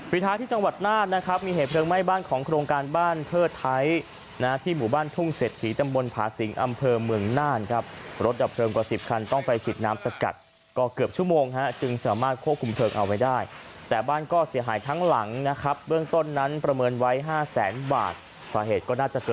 ท้ายที่จังหวัดน่านนะครับมีเหตุเพลิงไหม้บ้านของโครงการบ้านเทิดไทยนะที่หมู่บ้านทุ่งเศรษฐีตำบลผาสิงอำเภอเมืองน่านครับรถดับเพลิงกว่าสิบคันต้องไปฉีดน้ำสกัดก็เกือบชั่วโมงฮะจึงสามารถควบคุมเพลิงเอาไว้ได้แต่บ้านก็เสียหายทั้งหลังนะครับเบื้องต้นนั้นประเมินไว้ห้าแสนบาทสาเหตุก็น่าจะเกิด